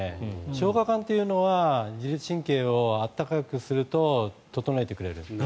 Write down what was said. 消化管というのは自律神経を温かくすると整えてくれる。